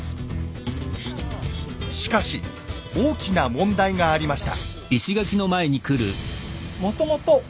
しかし大きな問題がありました。